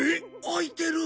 開いてる。